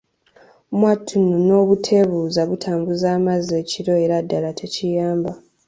Mwattu nno n’obuteebuuza butambuza amazzi ekiro era ddala tekiyamba.